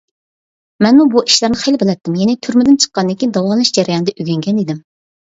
مەنمۇ بۇ ئىشلارنى خېلى بىلەتتىم ، يەنى تۈرمىدىن چىققاندىن كېيىن داۋالىنىش جەريانىدا ئۆگەنگەن ئىدىم.